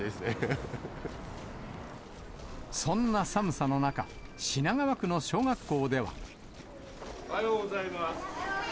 そんな寒さの中、品川区の小おはようございます。